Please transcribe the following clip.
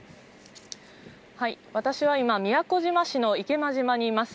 私は今、宮古島市の池間島にいます。